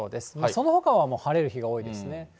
そのほかはもう晴れる日が多いですね。